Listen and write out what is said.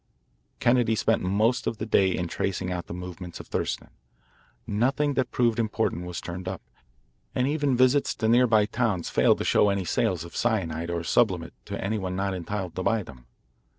Kennedy spent most of the day in tracing out the movements of Thurston. Nothing that proved important was turned up, and even visits to near by towns failed to show any sales of cyanide or sublimate to any one not entitled to buy them.